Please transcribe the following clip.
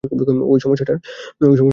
ঐ সমস্যাটার কি হবে?